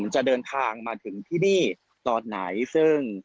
จะเดินทางมาถึงที่นี่ต่อไหน